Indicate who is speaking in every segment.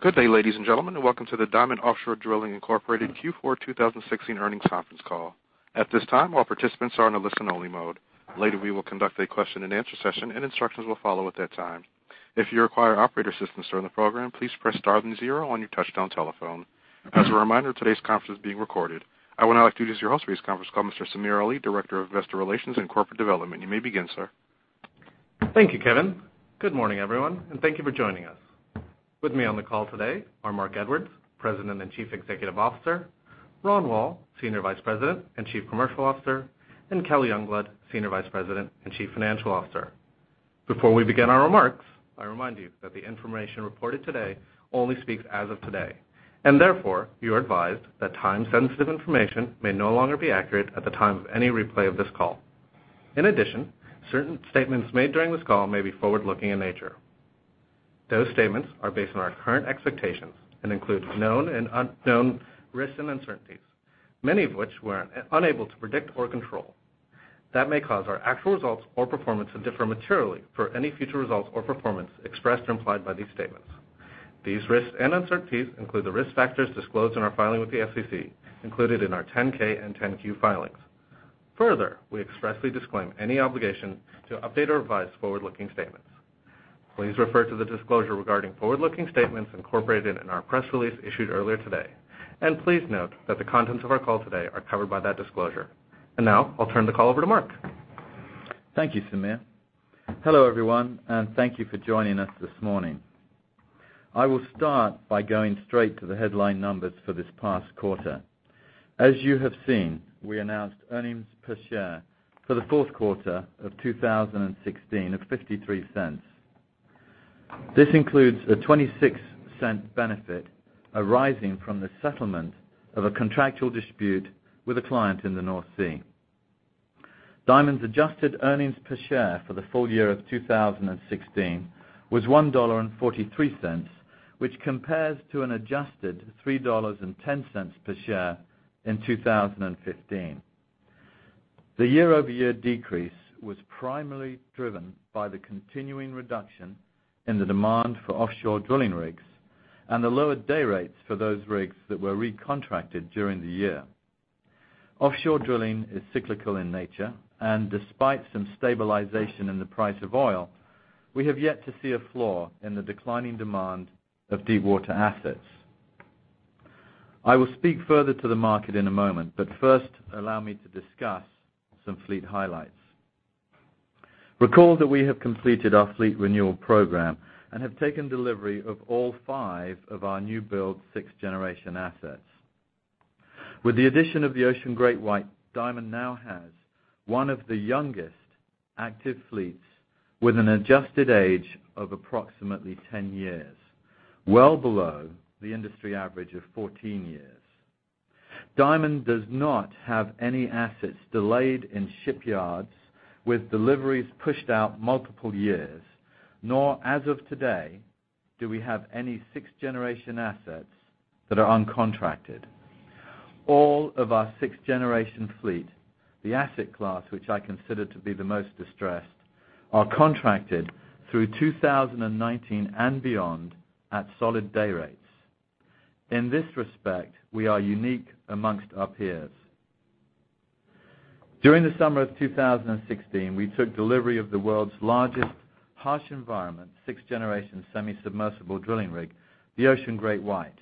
Speaker 1: Good day, ladies and gentlemen, and welcome to the Diamond Offshore Drilling, Inc. Q4 2016 earnings conference call. At this time, all participants are in a listen-only mode. Later, we will conduct a question and answer session, and instructions will follow at that time. If you require operator assistance during the program, please press star then zero on your touch-tone telephone. As a reminder, today's conference is being recorded. I would now like to introduce your host for this conference call, Mr. Samir Ali, Director of Investor Relations and Corporate Development. You may begin, sir.
Speaker 2: Thank you, Kevin. Good morning, everyone, and thank you for joining us. With me on the call today are Marc Edwards, President and Chief Executive Officer, Ron Woll, Senior Vice President and Chief Commercial Officer, and Kelly Youngblood, Senior Vice President and Chief Financial Officer. Before we begin our remarks, I remind you that the information reported today only speaks as of today. Therefore, you are advised that time-sensitive information may no longer be accurate at the time of any replay of this call. In addition, certain statements made during this call may be forward-looking in nature. Those statements are based on our current expectations and include known and unknown risks and uncertainties, many of which we are unable to predict or control, that may cause our actual results or performance to differ materially for any future results or performance expressed or implied by these statements. These risks and uncertainties include the risk factors disclosed in our filing with the SEC included in our 10-K and 10-Q filings. Further, we expressly disclaim any obligation to update or revise forward-looking statements. Please refer to the disclosure regarding forward-looking statements incorporated in our press release issued earlier today, and please note that the contents of our call today are covered by that disclosure. Now I'll turn the call over to Marc.
Speaker 3: Thank you, Samir. Hello, everyone, and thank you for joining us this morning. I will start by going straight to the headline numbers for this past quarter. As you have seen, we announced earnings per share for the fourth quarter of 2016 of $0.53. This includes a $0.26 benefit arising from the settlement of a contractual dispute with a client in the North Sea. Diamond's adjusted earnings per share for the full year of 2016 was $1.43, which compares to an adjusted $3.10 per share in 2015. The year-over-year decrease was primarily driven by the continuing reduction in the demand for offshore drilling rigs and the lower day rates for those rigs that were recontracted during the year. Offshore drilling is cyclical in nature, and despite some stabilization in the price of oil, we have yet to see a floor in the declining demand of deep water assets. I will speak further to the market in a moment, first, allow me to discuss some fleet highlights. Recall that we have completed our fleet renewal program and have taken delivery of all five of our new build 6th Generation assets. With the addition of the Ocean GreatWhite, Diamond now has one of the youngest active fleets with an adjusted age of approximately 10 years, well below the industry average of 14 years. Diamond does not have any assets delayed in shipyards with deliveries pushed out multiple years, nor as of today, do we have any 6th Generation assets that are uncontracted. All of our 6th Generation fleet, the asset class which I consider to be the most distressed, are contracted through 2019 and beyond at solid day rates. In this respect, we are unique amongst our peers. During the summer of 2016, we took delivery of the world's largest harsh environment 6th Generation semi-submersible drilling rig, the Ocean GreatWhite.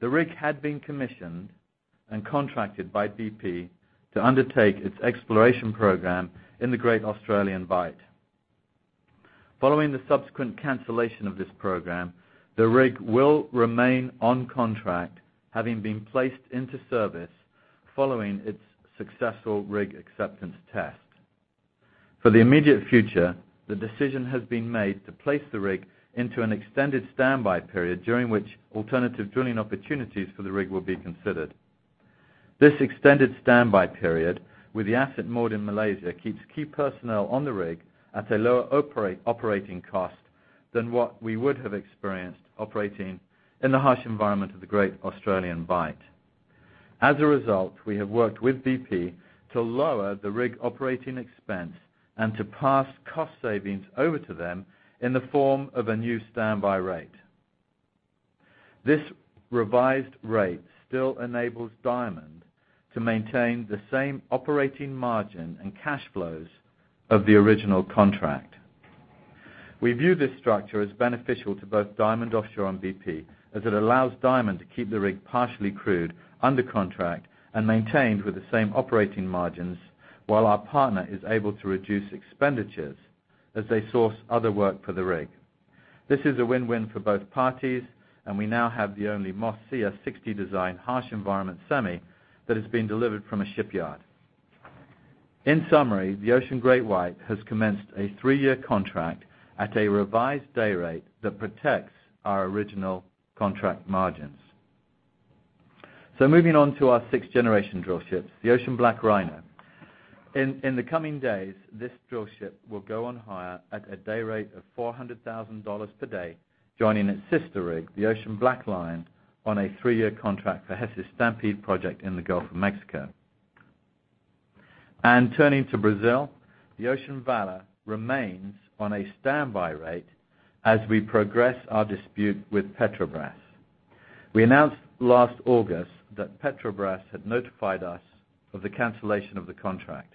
Speaker 3: The rig had been commissioned and contracted by BP to undertake its exploration program in the Great Australian Bight. Following the subsequent cancellation of this program, the rig will remain on contract, having been placed into service following its successful rig acceptance test. For the immediate future, the decision has been made to place the rig into an extended standby period during which alternative drilling opportunities for the rig will be considered. This extended standby period with the asset moored in Malaysia keeps key personnel on the rig at a lower operating cost than what we would have experienced operating in the harsh environment of the Great Australian Bight. As a result, we have worked with BP to lower the rig operating expense and to pass cost savings over to them in the form of a new standby rate. This revised rate still enables Diamond to maintain the same operating margin and cash flows of the original contract. We view this structure as beneficial to both Diamond Offshore and BP as it allows Diamond to keep the rig partially crewed, under contract, and maintained with the same operating margins while our partner is able to reduce expenditures as they source other work for the rig. This is a win-win for both parties, and we now have the only Moss CS60 design harsh environment semi that has been delivered from a shipyard. In summary, the Ocean GreatWhite has commenced a three-year contract at a revised day rate that protects our original contract margins. Moving on to our 6th Generation drill ship, the Ocean BlackRhino. In the coming days, this drill ship will go on hire at a day rate of $400,000 per day, joining its sister rig, the Ocean BlackLion, on a three-year contract for Hess' Stampede project in the Gulf of Mexico. Turning to Brazil, the Ocean Valor remains on a standby rate as we progress our dispute with Petrobras. We announced last August that Petrobras had notified us of the cancellation of the contract.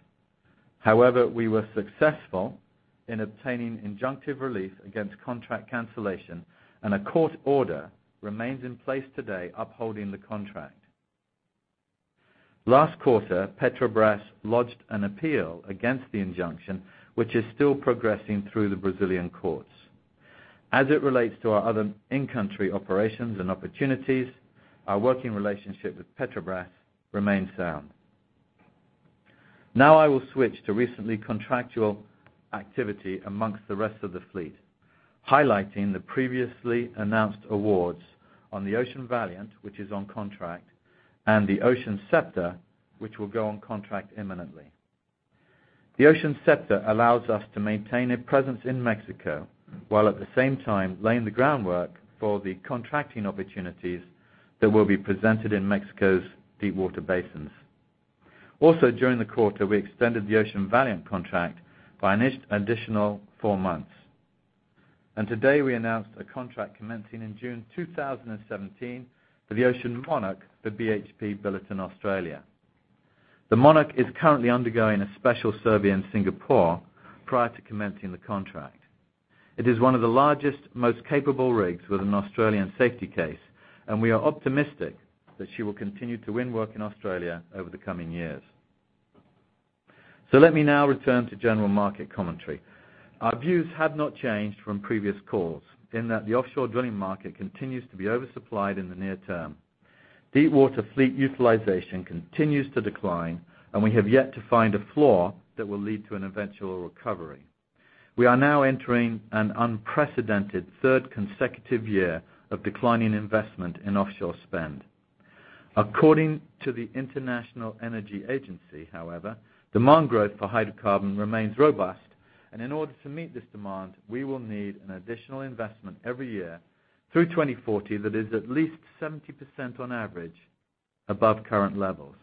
Speaker 3: However, we were successful in obtaining injunctive relief against contract cancellation, and a court order remains in place today upholding the contract. Last quarter, Petrobras lodged an appeal against the injunction, which is still progressing through the Brazilian courts. As it relates to our other in-country operations and opportunities, our working relationship with Petrobras remains sound. Now I will switch to recent contractual activity amongst the rest of the fleet, highlighting the previously announced awards on the Ocean Valiant, which is on contract, and the Ocean Scepter, which will go on contract imminently. The Ocean Scepter allows us to maintain a presence in Mexico, while at the same time laying the groundwork for the contracting opportunities that will be presented in Mexico's deepwater basins. During the quarter, we extended the Ocean Valiant contract by an additional four months. Today, we announced a contract commencing in June 2017 for the Ocean Monarch for BHP Billiton Australia. The Monarch is currently undergoing a special survey in Singapore prior to commencing the contract. It is one of the largest, most capable rigs with an Australian safety case, and we are optimistic that she will continue to win work in Australia over the coming years. Let me now return to general market commentary. Our views have not changed from previous calls in that the offshore drilling market continues to be oversupplied in the near term. Deepwater fleet utilization continues to decline, and we have yet to find a floor that will lead to an eventual recovery. We are now entering an unprecedented third consecutive year of declining investment in offshore spend. According to the International Energy Agency, however, demand growth for hydrocarbon remains robust, and in order to meet this demand, we will need an additional investment every year through 2040 that is at least 70% on average above current levels.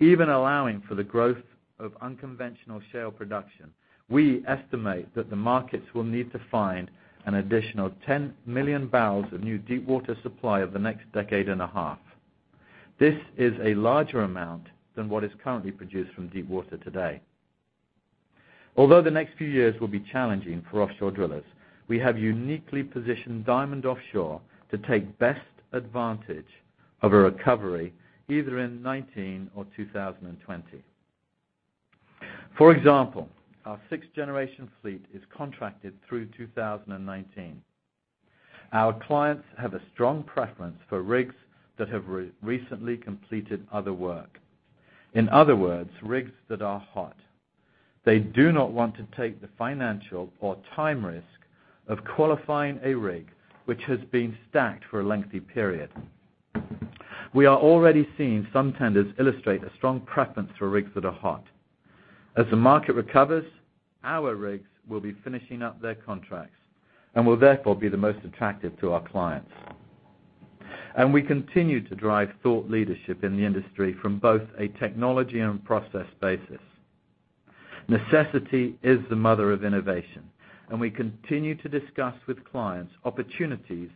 Speaker 3: Even allowing for the growth of unconventional shale production, we estimate that the markets will need to find an additional 10 million barrels of new deepwater supply over the next decade and a half. This is a larger amount than what is currently produced from deepwater today. Although the next few years will be challenging for offshore drillers, we have uniquely positioned Diamond Offshore to take best advantage of a recovery either in 2019 or 2020. For example, our 6th-generation fleet is contracted through 2019. Our clients have a strong preference for rigs that have recently completed other work. In other words, rigs that are hot. They do not want to take the financial or time risk of qualifying a rig which has been stacked for a lengthy period. We are already seeing some tenders illustrate a strong preference for rigs that are hot. As the market recovers, our rigs will be finishing up their contracts and will therefore be the most attractive to our clients. We continue to drive thought leadership in the industry from both a technology and process basis. Necessity is the mother of innovation, and we continue to discuss with clients opportunities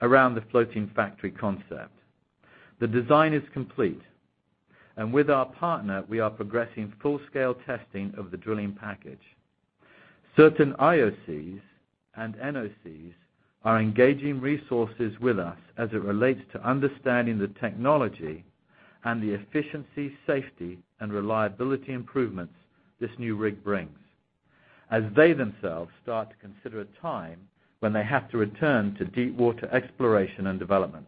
Speaker 3: around the Floating Factory concept. The design is complete, and with our partner, we are progressing full-scale testing of the drilling package. Certain IOCs and NOCs are engaging resources with us as it relates to understanding the technology and the efficiency, safety, and reliability improvements this new rig brings as they themselves start to consider a time when they have to return to deepwater exploration and development.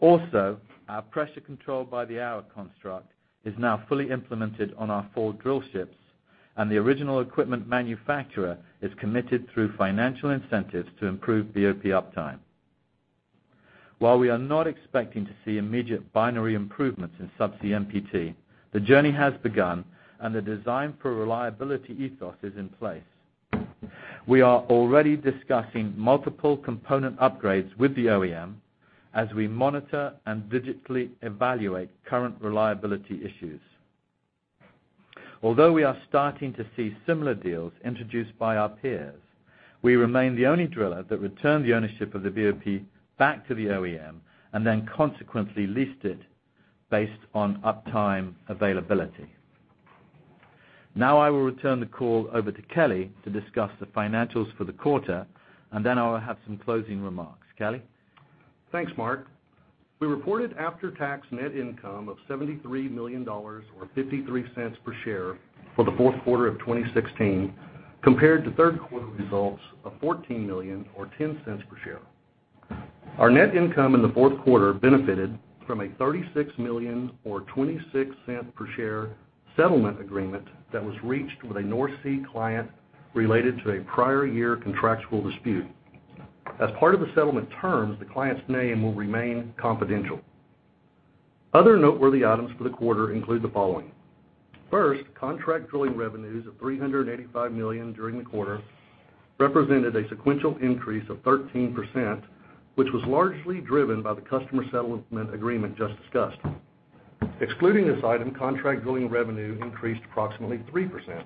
Speaker 3: Also, our Pressure Control by the Hour construct is now fully implemented on our four drill ships, and the original equipment manufacturer is committed through financial incentives to improve BOP uptime. While we are not expecting to see immediate binary improvements in subsea MPT, the journey has begun, and the design for a reliability ethos is in place. We are already discussing multiple component upgrades with the OEM as we monitor and digitally evaluate current reliability issues. Although we are starting to see similar deals introduced by our peers, we remain the only driller that returned the ownership of the BOP back to the OEM and then consequently leased it based on uptime availability. I will return the call over to Kelly to discuss the financials for the quarter, and then I will have some closing remarks. Kelly?
Speaker 4: Thanks, Marc. We reported after-tax net income of $73 million, or $0.53 per share for the fourth quarter of 2016, compared to third quarter results of $14 million, or $0.10 per share. Our net income in the fourth quarter benefited from a $36 million or $0.26 per share settlement agreement that was reached with a North Sea client related to a prior year contractual dispute. As part of the settlement terms, the client's name will remain confidential. Other noteworthy items for the quarter include the following. First, contract drilling revenues of $385 million during the quarter represented a sequential increase of 13%, which was largely driven by the customer settlement agreement just discussed. Excluding this item, contract drilling revenue increased approximately 3%,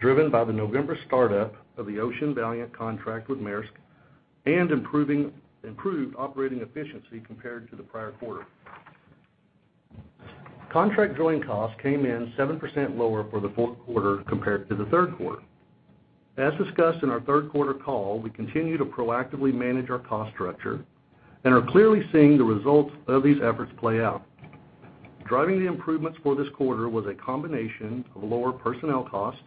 Speaker 4: driven by the November startup of the Ocean Valiant contract with Maersk and improved operating efficiency compared to the prior quarter. Contract drilling costs came in 7% lower for the fourth quarter compared to the third quarter. As discussed in our third quarter call, we continue to proactively manage our cost structure and are clearly seeing the results of these efforts play out. Driving the improvements for this quarter was a combination of lower personnel costs,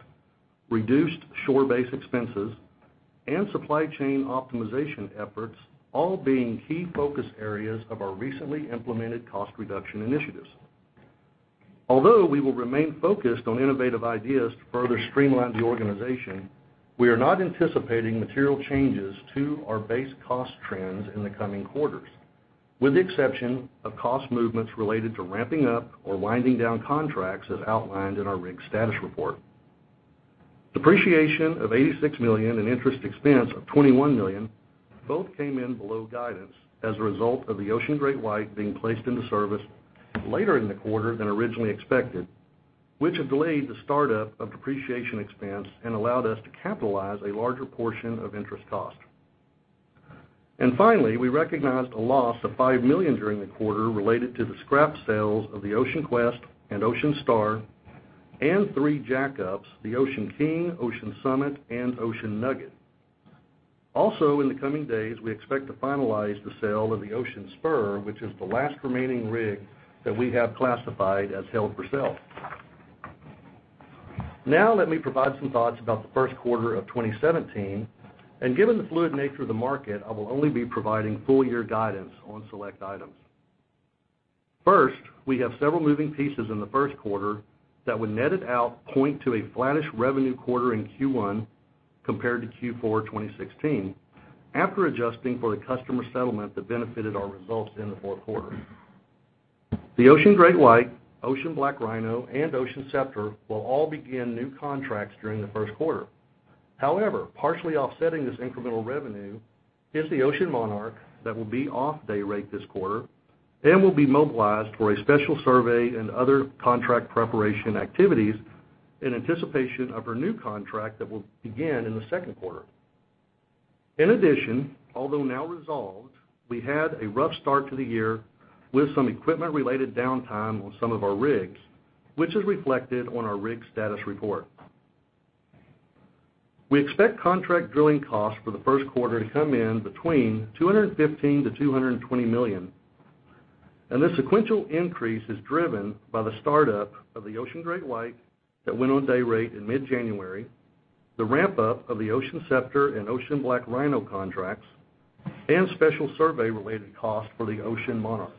Speaker 4: reduced shore base expenses, and supply chain optimization efforts, all being key focus areas of our recently implemented cost reduction initiatives. Although we will remain focused on innovative ideas to further streamline the organization, we are not anticipating material changes to our base cost trends in the coming quarters, with the exception of cost movements related to ramping up or winding down contracts as outlined in our rig status report. Depreciation of $86 million and interest expense of $21 million both came in below guidance as a result of the Ocean GreatWhite being placed into service later in the quarter than originally expected, which delayed the startup of depreciation expense and allowed us to capitalize a larger portion of interest cost. Finally, we recognized a loss of $5 million during the quarter related to the scrap sales of the Ocean Quest and Ocean Star, and three jackups, the Ocean King, Ocean Summit, and Ocean Nugget. Also, in the coming days, we expect to finalize the sale of the Ocean Spur, which is the last remaining rig that we have classified as held for sale. Let me provide some thoughts about the first quarter of 2017, and given the fluid nature of the market, I will only be providing full-year guidance on select items. First, we have several moving pieces in the first quarter that would net it out point to a flattish revenue quarter in Q1 compared to Q4 2016, after adjusting for the customer settlement that benefited our results in the fourth quarter. The Ocean GreatWhite, Ocean BlackRhino, and Ocean Scepter will all begin new contracts during the first quarter. However, partially offsetting this incremental revenue is the Ocean Monarch that will be off day rate this quarter and will be mobilized for a special survey and other contract preparation activities in anticipation of her new contract that will begin in the second quarter. In addition, although now resolved, we had a rough start to the year with some equipment-related downtime on some of our rigs, which is reflected on our rig status report. We expect contract drilling costs for the first quarter to come in between $215 million-$220 million. This sequential increase is driven by the startup of the Ocean GreatWhite that went on day rate in mid-January, the ramp-up of the Ocean Scepter and Ocean BlackRhino contracts, and special survey-related costs for the Ocean Monarch.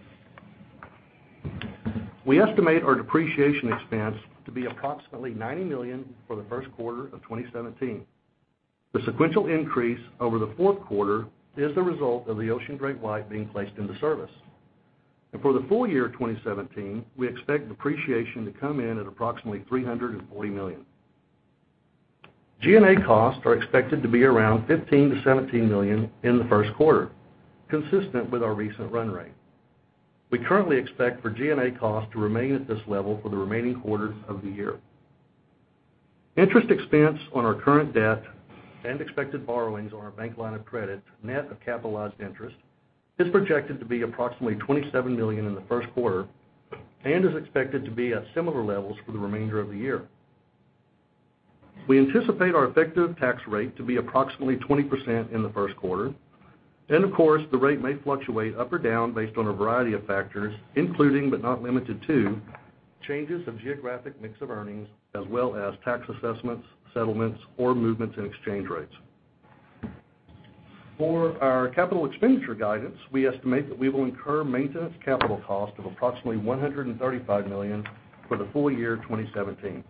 Speaker 4: We estimate our depreciation expense to be approximately $90 million for the first quarter of 2017. The sequential increase over the fourth quarter is the result of the Ocean GreatWhite being placed into service. For the full year 2017, we expect depreciation to come in at approximately $340 million. G&A costs are expected to be around $15 million-$17 million in the first quarter, consistent with our recent run rate. We currently expect for G&A costs to remain at this level for the remaining quarters of the year. Interest expense on our current debt and expected borrowings on our bank line of credit, net of capitalized interest, is projected to be approximately $27 million in the first quarter and is expected to be at similar levels for the remainder of the year. We anticipate our effective tax rate to be approximately 20% in the first quarter. Of course, the rate may fluctuate up or down based on a variety of factors, including but not limited to changes in geographic mix of earnings as well as tax assessments, settlements, or movements in exchange rates. For our capital expenditure guidance, we estimate that we will incur maintenance capital cost of approximately $135 million for the full year 2017.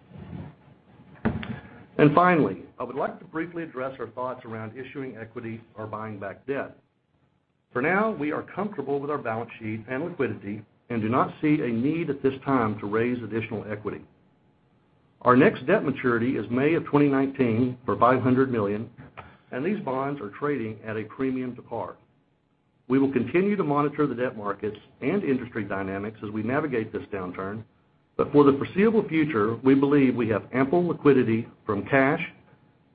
Speaker 4: Finally, I would like to briefly address our thoughts around issuing equity or buying back debt. For now, we are comfortable with our balance sheet and liquidity and do not see a need at this time to raise additional equity. Our next debt maturity is May of 2019 for $500 million, and these bonds are trading at a premium to par. We will continue to monitor the debt markets and industry dynamics as we navigate this downturn, but for the foreseeable future, we believe we have ample liquidity from cash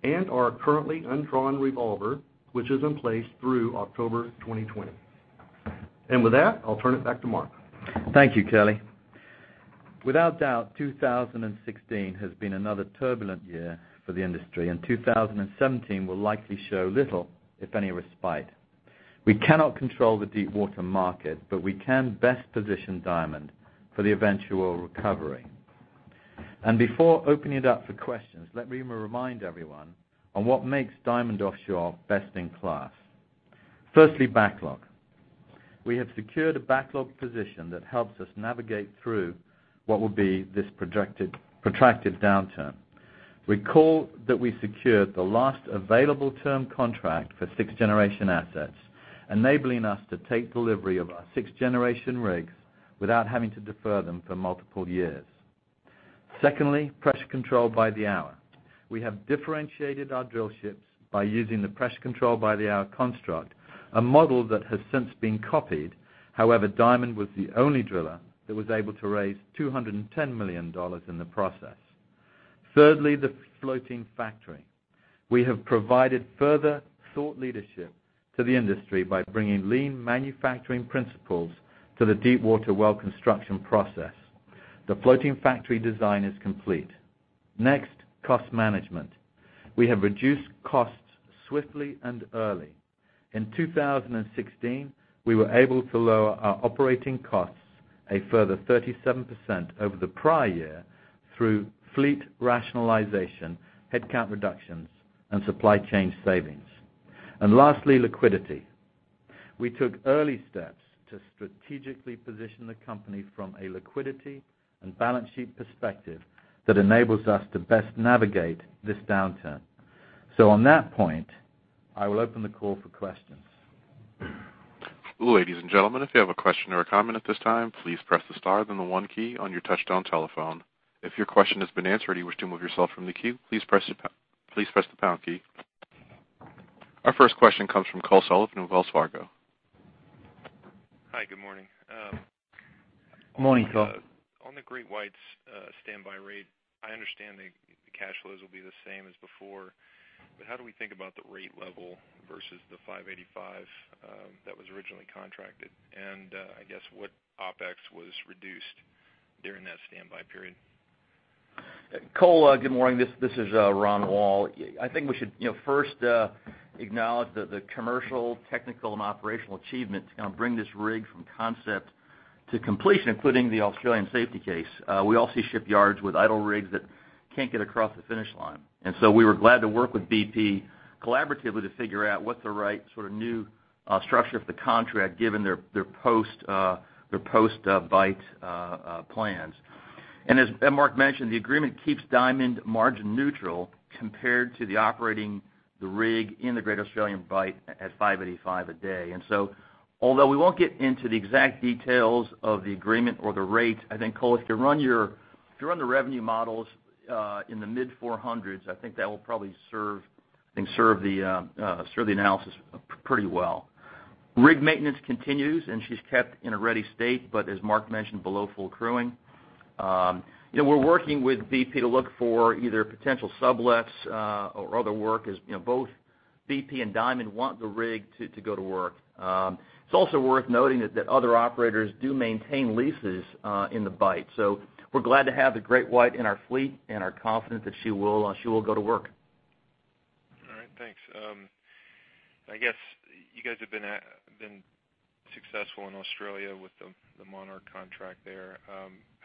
Speaker 4: and our currently undrawn revolver, which is in place through October 2020. With that, I'll turn it back to Marc.
Speaker 3: Thank you, Kelly. Without doubt, 2016 has been another turbulent year for the industry, and 2017 will likely show little, if any, respite. We cannot control the deepwater market, but we can best position Diamond for the eventual recovery. Before opening it up for questions, let me remind everyone on what makes Diamond Offshore best in class. Firstly, backlog. We have secured a backlog position that helps us navigate through what will be this protracted downturn. Recall that we secured the last available term contract for 6th Generation assets, enabling us to take delivery of our 6th Generation rigs without having to defer them for multiple years. Secondly, Pressure Control by the Hour. We have differentiated our drillships by using the Pressure Control by the Hour construct, a model that has since been copied. However, Diamond was the only driller that was able to raise $210 million in the process. Thirdly, the Floating Factory. We have provided further thought leadership to the industry by bringing lean manufacturing principles to the deepwater well construction process. The Floating Factory design is complete. Next, cost management. We have reduced costs swiftly and early. In 2016, we were able to lower our operating costs a further 37% over the prior year through fleet rationalization, headcount reductions, and supply chain savings. Lastly, liquidity. We took early steps to strategically position the company from a liquidity and balance sheet perspective that enables us to best navigate this downturn. On that point, I will open the call for questions.
Speaker 1: Ladies and gentlemen, if you have a question or a comment at this time, please press the star then the one key on your touch-tone telephone. If your question has been answered and you wish to move yourself from the queue, please press the pound key. Our first question comes from Cole Sullivan with Wells Fargo.
Speaker 5: Hi, good morning.
Speaker 3: Morning, Cole.
Speaker 5: On the GreatWhite's standby rate, I understand the cash flows will be the same as before, but how do we think about the rate level versus the $585 that was originally contracted? I guess what OpEx was reduced during that standby period?
Speaker 6: Cole, good morning. This is Ron Woll. I think we should first acknowledge the commercial, technical, and operational achievement to bring this rig from concept to completion, including the Australian safety case. We all see shipyards with idle rigs that can't get across the finish line. So we were glad to work with BP collaboratively to figure out what the right new structure of the contract given their post-Bight plans. As Marc mentioned, the agreement keeps Diamond margin neutral compared to operating the rig in the Great Australian Bight at $585 a day. So although we won't get into the exact details of the agreement or the rates, I think Cole, if you run the revenue models in the mid-$400s, I think that will probably serve the analysis pretty well. Rig maintenance continues, and she's kept in a ready state, but as Marc mentioned, below full crewing. We're working with BP to look for either potential sublets or other work, as both BP and Diamond want the rig to go to work. It's also worth noting that other operators do maintain leases in the Bight. So we're glad to have the GreatWhite in our fleet and are confident that she will go to work.
Speaker 5: All right, thanks. I guess you guys have been successful in Australia with the Monarch contract there.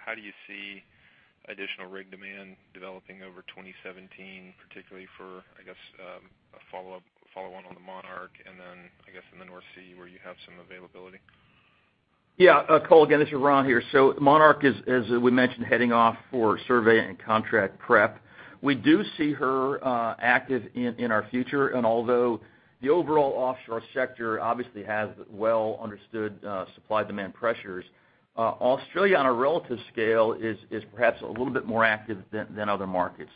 Speaker 5: How do you see additional rig demand developing over 2017, particularly for, I guess, a follow-on on the Monarch and then, I guess, in the North Sea where you have some availability?
Speaker 6: Yeah. Cole, again, this is Ron here. Monarch is, as we mentioned, heading off for survey and contract prep. We do see her active in our future. Although the overall offshore sector obviously has well-understood supply-demand pressures, Australia on a relative scale is perhaps a little bit more active than other markets.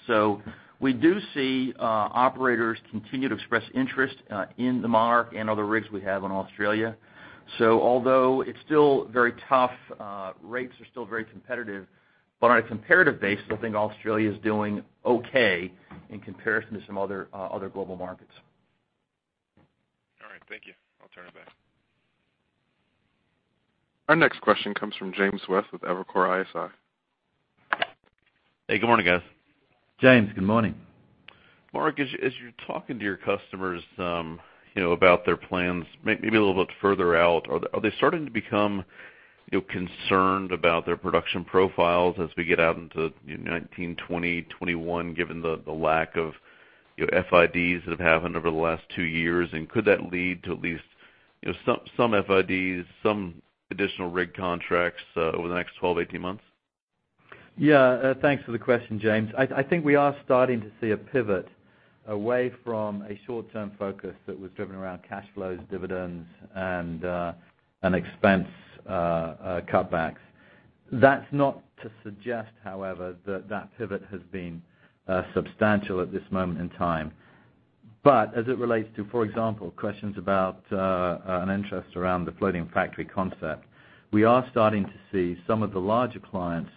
Speaker 6: We do see operators continue to express interest in the Monarch and other rigs we have in Australia. Although it's still very tough, rates are still very competitive, but on a comparative basis, I think Australia is doing okay in comparison to some other global markets.
Speaker 5: All right, thank you. I'll turn it back.
Speaker 1: Our next question comes from James West with Evercore ISI.
Speaker 7: Hey, good morning, guys.
Speaker 3: James, good morning.
Speaker 7: Marc, as you're talking to your customers about their plans, maybe a little bit further out, are they starting to become concerned about their production profiles as we get out into 2019, 2020, 2021, given the lack of FIDs that have happened over the last two years? Could that lead to at least some FIDs, some additional rig contracts over the next 12, 18 months?
Speaker 3: Yeah. Thanks for the question, James. I think we are starting to see a pivot away from a short-term focus that was driven around cash flows, dividends, and expense cutbacks. That's not to suggest, however, that pivot has been substantial at this moment in time. As it relates to, for example, questions about an interest around the Floating Factory concept, we are starting to see some of the larger clients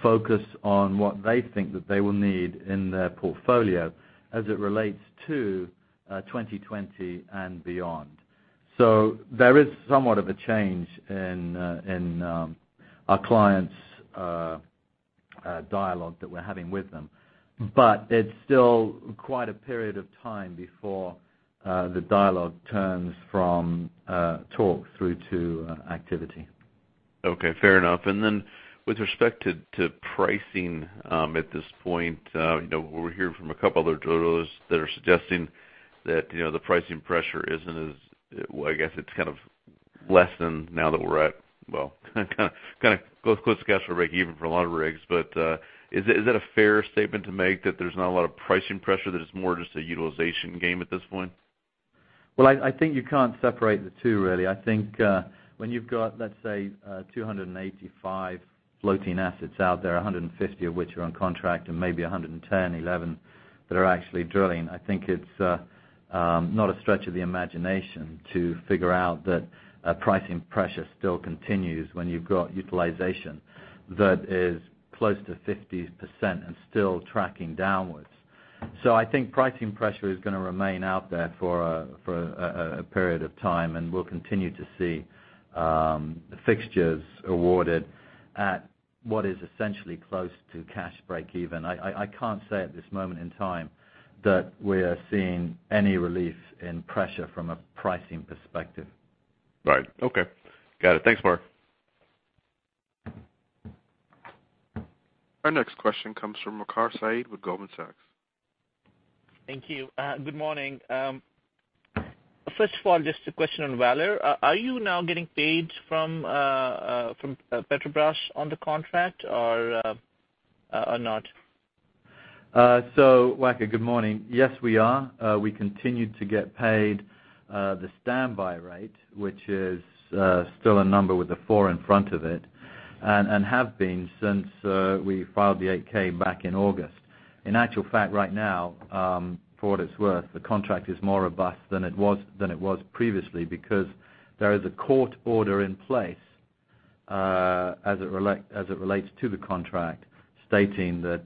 Speaker 3: focus on what they think that they will need in their portfolio as it relates to 2020 and beyond. There is somewhat of a change in our clients' dialogue that we're having with them, but it's still quite a period of time before the dialogue turns from talk through to activity.
Speaker 7: Okay, fair enough. Then with respect to pricing at this point, we're hearing from a couple other drillers that are suggesting that the pricing pressure isn't. Well, I guess it's less than now that we're at, well, close to cash or breakeven for a lot of rigs. Is that a fair statement to make that there's not a lot of pricing pressure, that it's more just a utilization game at this point?
Speaker 3: I think you can't separate the two, really. I think when you've got, let's say, 285 floating assets out there, 150 of which are on contract and maybe 110, 111 that are actually drilling, I think it's not a stretch of the imagination to figure out that pricing pressure still continues when you've got utilization that is close to 50% and still tracking downwards. I think pricing pressure is going to remain out there for a period of time, and we'll continue to see fixtures awarded at what is essentially close to cash breakeven. I can't say at this moment in time that we are seeing any relief in pressure from a pricing perspective.
Speaker 7: Right. Okay. Got it. Thanks, Marc.
Speaker 1: Our next question comes from Waqar Syed with Goldman Sachs.
Speaker 8: Thank you. Good morning. First of all, just a question on Ocean Valor. Are you now getting paid from Petrobras on the contract or not?
Speaker 3: Waqar, good morning. Yes, we are. We continue to get paid the standby rate, which is still a number with a four in front of it, and have been since we filed the 8-K back in August. In actual fact, right now, for what it's worth, the contract is more robust than it was previously because there is a court order in place as it relates to the contract, stating that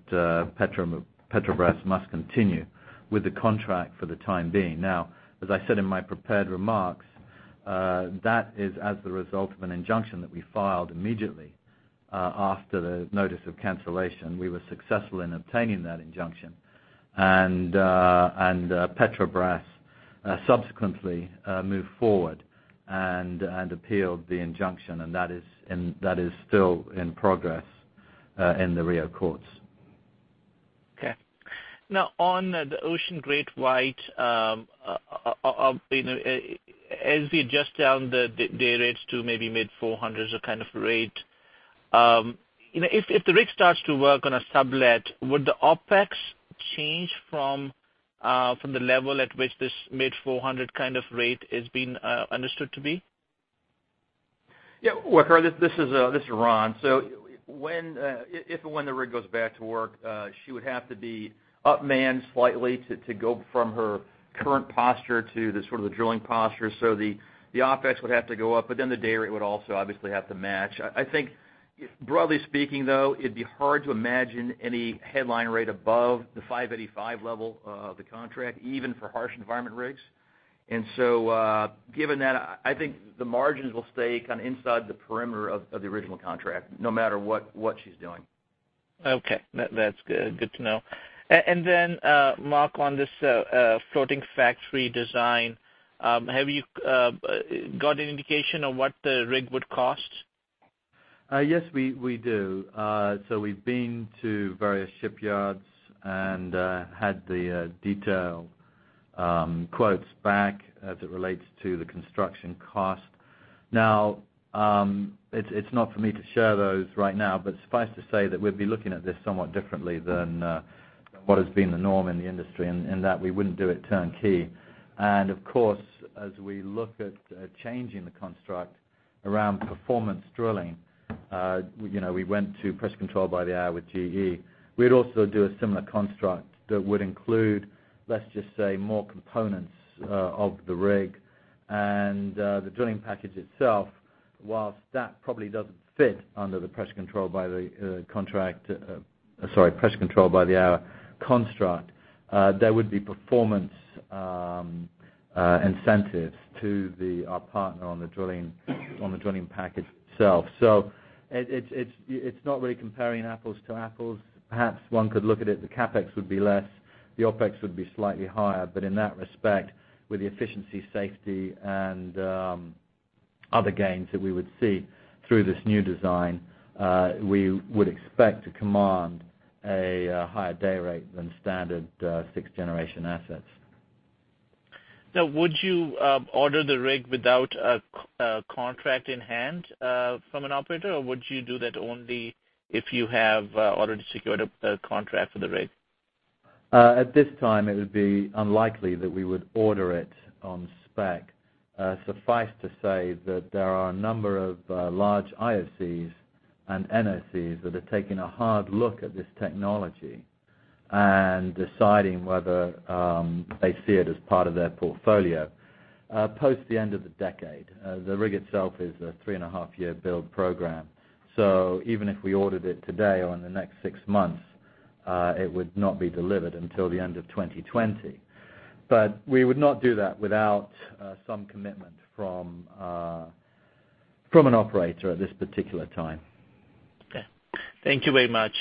Speaker 3: Petrobras must continue with the contract for the time being. As I said in my prepared remarks, that is as the result of an injunction that we filed immediately after the notice of cancellation. We were successful in obtaining that injunction. Petrobras subsequently moved forward and appealed the injunction, and that is still in progress in the Rio courts.
Speaker 8: Okay. On the Ocean GreatWhite, as we adjust down the day rates to maybe mid $400s kind of rate. If the rig starts to work on a sublet, would the OpEx change from the level at which this mid $400 kind of rate is being understood to be?
Speaker 6: Yeah, Waqar, this is Ron. If and when the rig goes back to work, she would have to be up-manned slightly to go from her current posture to the drilling posture. The OpEx would have to go up, but then the day rate would also obviously have to match. I think broadly speaking, though, it'd be hard to imagine any headline rate above the $585 level of the contract, even for harsh environment rigs. Given that, I think the margins will stay inside the perimeter of the original contract, no matter what she's doing.
Speaker 8: Okay. That's good to know. Then, Marc, on this Floating Factory design, have you got any indication of what the rig would cost?
Speaker 3: Yes, we do. We've been to various shipyards and had the detailed quotes back as it relates to the construction cost. Now, it's not for me to share those right now, but suffice to say that we'd be looking at this somewhat differently than what has been the norm in the industry, and that we wouldn't do it turnkey. Of course, as we look at changing the construct around performance drilling, we went to Pressure Control by the Hour with GE. We'd also do a similar construct that would include, let's just say, more components of the rig. The drilling package itself, whilst that probably doesn't fit under the Pressure Control by the Hour construct, there would be performance incentives to our partner on the drilling package itself. It's not really comparing apples to apples. Perhaps one could look at it, the CapEx would be less, the OpEx would be slightly higher, but in that respect, with the efficiency, safety, and other gains that we would see through this new design, we would expect to command a higher day rate than standard 6th Generation assets.
Speaker 8: Now, would you order the rig without a contract in hand from an operator, or would you do that only if you have already secured a contract for the rig?
Speaker 3: At this time, it would be unlikely that we would order it on spec. Suffice to say that there are a number of large IOCs and NOCs that are taking a hard look at this technology and deciding whether they see it as part of their portfolio post the end of the decade. The rig itself is a three and a half year build program. Even if we ordered it today or in the next six months, it would not be delivered until the end of 2020. We would not do that without some commitment from an operator at this particular time.
Speaker 8: Okay. Thank you very much.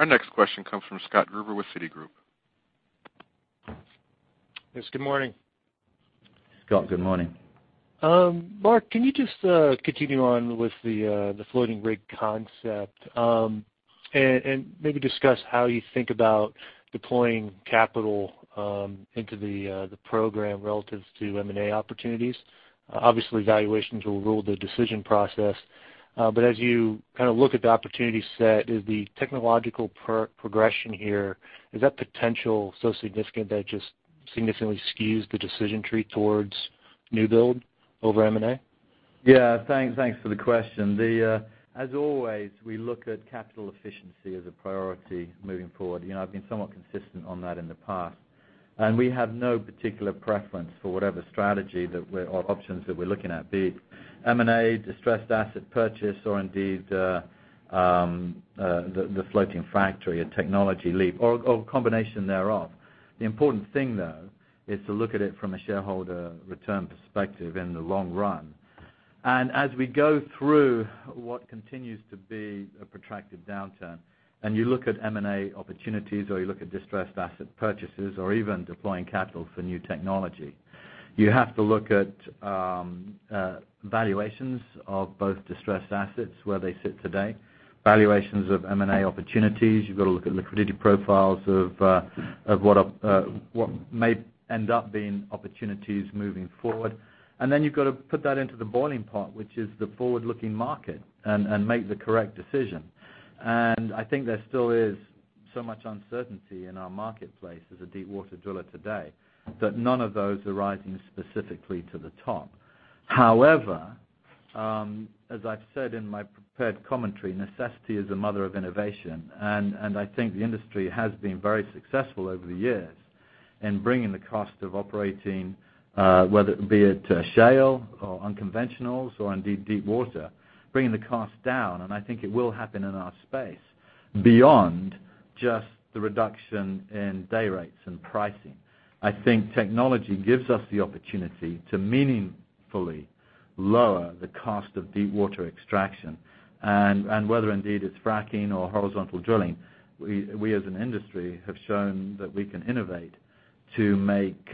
Speaker 1: Our next question comes from Scott Gruber with Citigroup.
Speaker 9: Yes, good morning.
Speaker 3: Scott, good morning.
Speaker 9: Mark, can you just continue on with the floating rig concept? Maybe discuss how you think about deploying capital into the program relative to M&A opportunities. Obviously, valuations will rule the decision process. As you look at the opportunity set, is the technological progression here, is that potential so significant that it just significantly skews the decision tree towards new build over M&A?
Speaker 3: Yeah. Thanks for the question. As always, we look at capital efficiency as a priority moving forward. I've been somewhat consistent on that in the past. We have no particular preference for whatever strategy or options that we're looking at, be it M&A, distressed asset purchase, or indeed, the Floating Factory, a technology leap, or a combination thereof. The important thing, though, is to look at it from a shareholder return perspective in the long run. As we go through what continues to be a protracted downturn, you look at M&A opportunities or you look at distressed asset purchases or even deploying capital for new technology, you have to look at valuations of both distressed assets, where they sit today. Valuations of M&A opportunities. You've got to look at liquidity profiles of what may end up being opportunities moving forward. Then you've got to put that into the boiling pot, which is the forward-looking market, and make the correct decision. I think there still is so much uncertainty in our marketplace as a deepwater driller today, that none of those are rising specifically to the top. However, as I've said in my prepared commentary, necessity is the mother of innovation. I think the industry has been very successful over the years in bringing the cost of operating, whether it be it to shale or unconventionals or indeed deepwater. Bringing the cost down, and I think it will happen in our space beyond just the reduction in day rates and pricing. I think technology gives us the opportunity to meaningfully lower the cost of deepwater extraction. Whether indeed it's fracking or horizontal drilling, we as an industry, have shown that we can innovate to make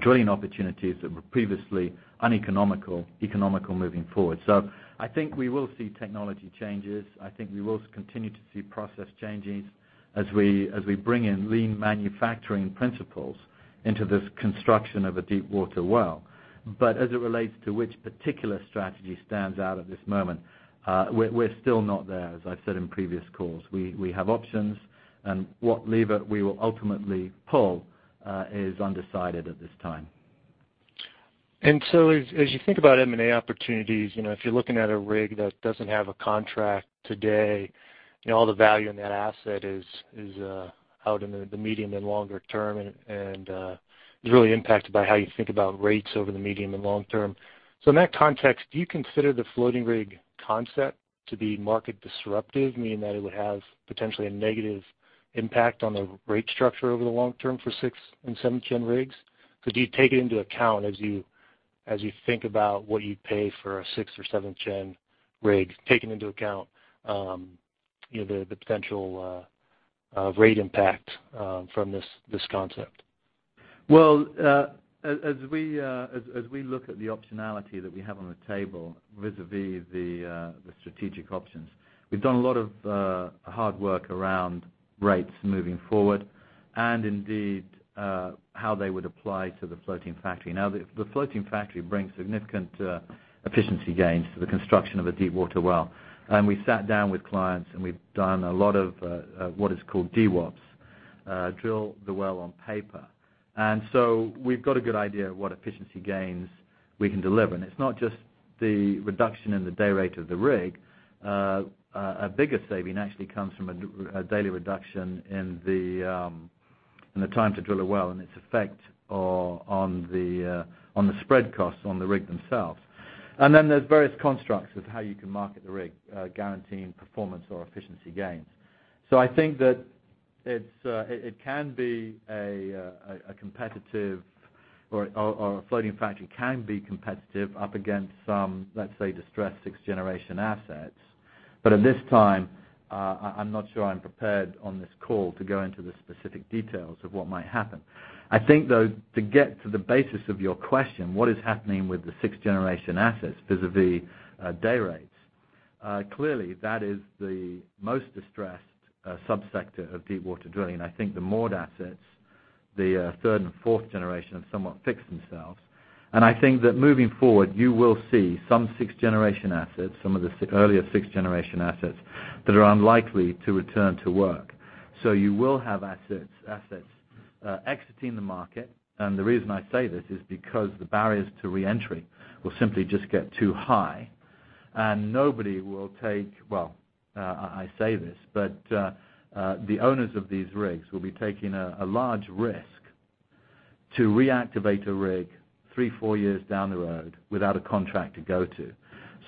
Speaker 3: drilling opportunities that were previously uneconomical, economical moving forward. I think we will see technology changes. I think we will continue to see process changes as we bring in lean manufacturing principles into this construction of a deepwater well. As it relates to which particular strategy stands out at this moment, we're still not there, as I've said in previous calls. We have options, and what lever we will ultimately pull is undecided at this time.
Speaker 9: As you think about M&A opportunities, if you're looking at a rig that doesn't have a contract today, all the value in that asset is out in the medium and longer term, and is really impacted by how you think about rates over the medium and long term. In that context, do you consider the Floating Factory concept to be market disruptive, meaning that it would have potentially a negative impact on the rate structure over the long term for 6th and 7th gen rigs? Do you take it into account as you think about what you'd pay for a 6th or 7th gen rig, taking into account the potential rate impact from this concept?
Speaker 3: Well, as we look at the optionality that we have on the table vis-a-vis the strategic options, we've done a lot of hard work around rates moving forward and indeed, how they would apply to the Floating Factory. The Floating Factory brings significant efficiency gains to the construction of a deepwater well. We've sat down with clients and we've done a lot of what is called DWOP, Drill The Well On Paper. We've got a good idea of what efficiency gains we can deliver. It's not just the reduction in the day rate of the rig. A bigger saving actually comes from a daily reduction in the time to drill a well and its effect on the spread costs on the rig themselves. Then there's various constructs of how you can market the rig, guaranteeing performance or efficiency gains. I think that a Floating Factory can be competitive up against some, let's say, distressed 6th Generation assets. At this time, I'm not sure I'm prepared on this call to go into the specific details of what might happen. I think, though, to get to the basis of your question, what is happening with the 6th Generation assets vis-a-vis day rates? Clearly, that is the most distressed sub-sector of deepwater drilling. I think the moored assets, the 3rd and 4th Generation have somewhat fixed themselves. I think that moving forward, you will see some 6th Generation assets, some of the earlier 6th Generation assets that are unlikely to return to work. You will have assets exiting the market. The reason I say this is because the barriers to re-entry will simply just get too high. Nobody will take, I say this, but the owners of these rigs will be taking a large risk to reactivate a rig three, four years down the road without a contract to go to.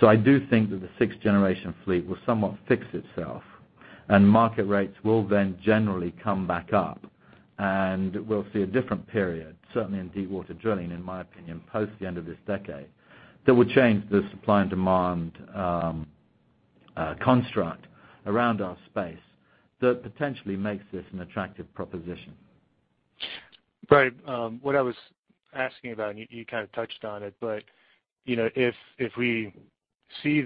Speaker 3: I do think that the 6th Generation fleet will somewhat fix itself, and market rates will then generally come back up. We'll see a different period, certainly in deepwater drilling, in my opinion, post the end of this decade, that will change the supply and demand construct around our space that potentially makes this an attractive proposition.
Speaker 9: Right. What I was asking about, and you kind of touched on it, but if we see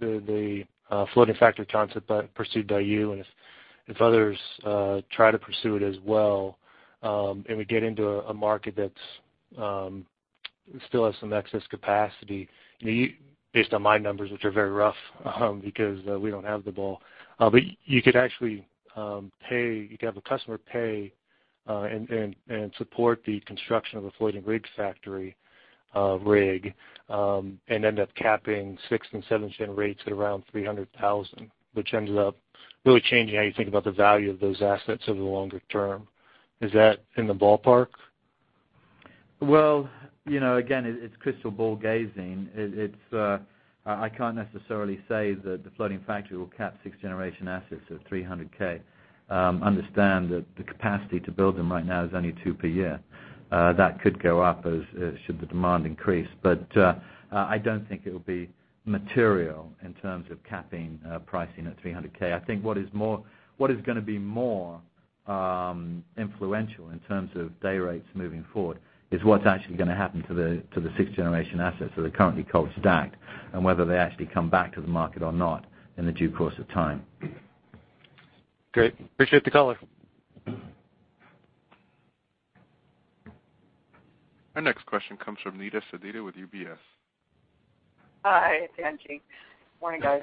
Speaker 9: the Floating Factory concept pursued by you and if others try to pursue it as well, and we get into a market that still has some excess capacity. Based on my numbers, which are very rough because we don't have the ball. You could have a customer pay and support the construction of a floating rig factory rig, and end up capping 6th and 7th Gen rates at around $300,000, which ends up really changing how you think about the value of those assets over the longer term. Is that in the ballpark?
Speaker 3: Well, again, it's crystal ball gazing. I can't necessarily say that the Floating Factory will cap 6th Generation assets at $300K. Understand that the capacity to build them right now is only two per year. That could go up should the demand increase. I don't think it'll be material in terms of capping pricing at $300K. I think what is going to be more influential in terms of day rates moving forward is what's actually going to happen to the 6th Generation assets that are currently cold stacked, and whether they actually come back to the market or not in the due course of time.
Speaker 9: Great. Appreciate the color.
Speaker 1: Our next question comes from Angeline Sedita with UBS.
Speaker 10: Hi, Its Angie. Morning, guys.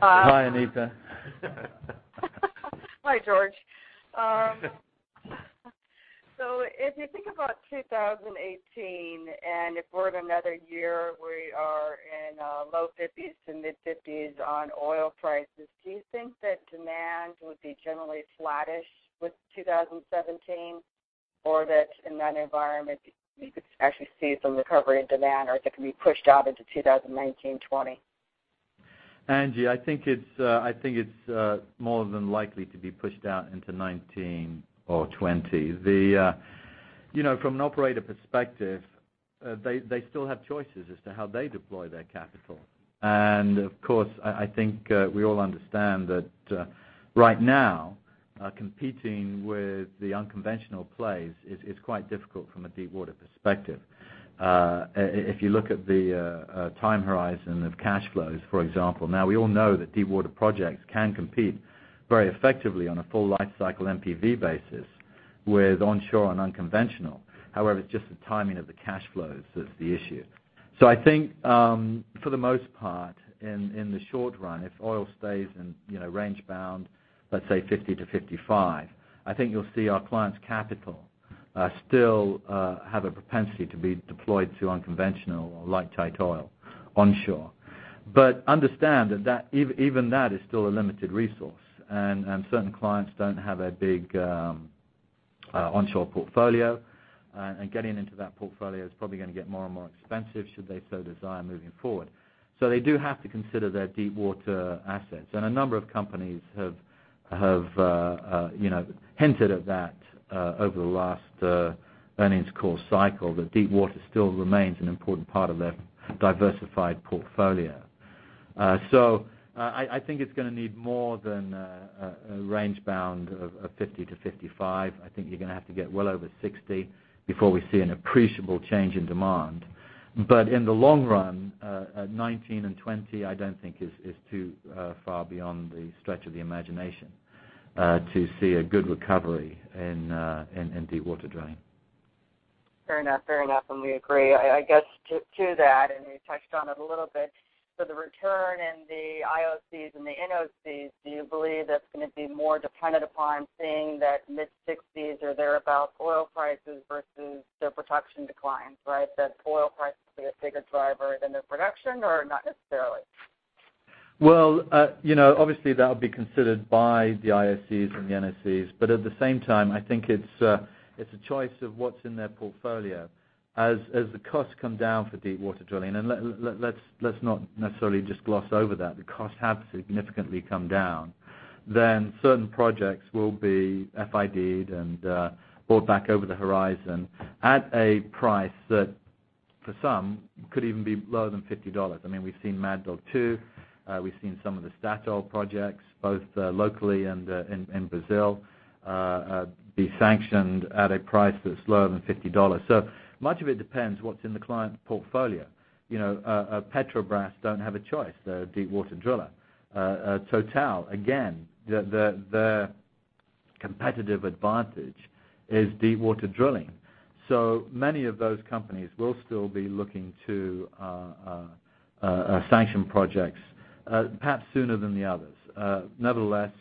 Speaker 3: Hi, Nita.
Speaker 10: Hi, George. If you think about 2018 and if we're in another year, we are in low 50s to mid 50s on oil prices, do you think that demand would be generally flattish with 2017? Or that in that environment, you could actually see some recovery in demand or if it can be pushed out into 2019, 2020?
Speaker 3: Angie, I think it's more than likely to be pushed out into 2019 or 2020. From an operator perspective, they still have choices as to how they deploy their capital. Of course, I think we all understand that right now, competing with the unconventional plays is quite difficult from a deepwater perspective. If you look at the time horizon of cash flows, for example, we all know that deepwater projects can compete very effectively on a full life cycle NPV basis with onshore and unconventional. However, it's just the timing of the cash flows that's the issue. I think for the most part in the short run, if oil stays in range bound, let's say $50-$55, I think you'll see our clients' capital still have a propensity to be deployed to unconventional or light tight oil onshore. Understand that even that is still a limited resource and certain clients don't have a big onshore portfolio. Getting into that portfolio is probably going to get more and more expensive should they so desire moving forward. They do have to consider their deepwater assets. A number of companies have hinted at that over the last earnings call cycle, that deepwater still remains an important part of their diversified portfolio. I think it's going to need more than a range bound of $50-$55. I think you're going to have to get well over $60 before we see an appreciable change in demand. In the long run, 2019 and 2020, I don't think is too far beyond the stretch of the imagination to see a good recovery in deepwater drilling.
Speaker 10: Fair enough. We agree. I guess to that, and you touched on it a little bit, the return in the IOCs and the NOCs, do you believe that's going to be more dependent upon seeing that mid-$60s or thereabout oil prices versus their production declines, right? That oil price will be a bigger driver than their production or not necessarily?
Speaker 3: Well, obviously, that would be considered by the IOCs and the NOCs. At the same time, I think it's a choice of what's in their portfolio. As the costs come down for deepwater drilling, let's not necessarily just gloss over that. The costs have significantly come down. Certain projects will be FID'd and brought back over the horizon at a price that, for some, could even be lower than $50. We've seen Mad Dog 2. We've seen some of the Statoil projects, both locally and in Brazil, be sanctioned at a price that's lower than $50. Much of it depends what's in the client portfolio. Petrobras don't have a choice. They're a deepwater driller. Total, again, their competitive advantage is deepwater drilling. Many of those companies will still be looking to sanction projects perhaps sooner than the others. Nevertheless,